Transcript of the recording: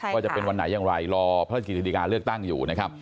ว่าจะเป็นวันไหนอย่างไรรอพระราชกิจการเลือกตั้งอยู่นะครับ